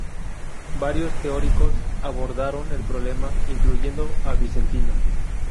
Varios teóricos abordaron el problema, incluyendo a Vicentino.